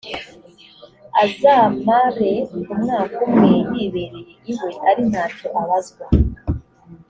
azamare umwaka umwe yibereye iwe, ari nta cyo abazwa,